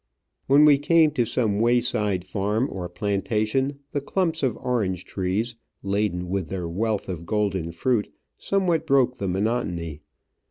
When we came to some wayside farm or plantation, the clumps of orange trees, laden with their wealth of golden fruit, somewhat broke the monotony.